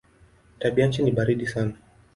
Tabianchi ni baridi sana.